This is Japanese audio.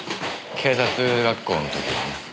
警察学校の時にな。